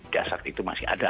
jasak itu masih ada